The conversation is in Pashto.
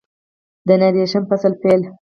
د نهه دېرشم فصل پیل